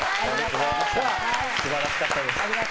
素晴らしかったです。